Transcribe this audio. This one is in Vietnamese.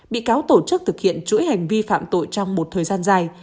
bị cáo tổ chức thực hiện chuỗi hành vi phạm tội trong một thời gian dài